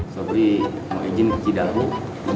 sobri mau izin ke cidahulu